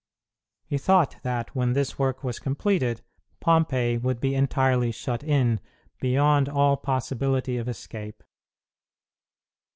He thought that, when this work was completed, Pompey would be entirely shut in, beyond all possibility of escape.